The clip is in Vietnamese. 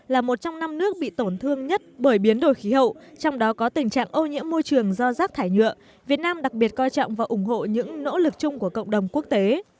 là một trong năm nước bị tổn thương nhất bởi biến đổi khí hậu trong đó có tình trạng ô nhiễm môi trường do rác thải nhựa việt nam đặc biệt coi trọng và ủng hộ những nỗ lực chung của cộng đồng quốc tế